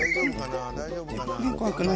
大丈夫かな？